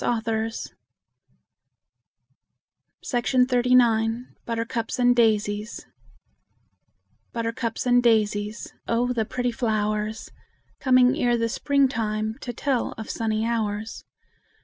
JAMES HOGG BUTTERCUPS AND DAISIES Buttercups and daisies, Oh, the pretty flowers; Coming ere the spring time, To tell of sunny hours.